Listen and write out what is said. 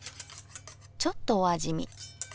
ちょっとお味見。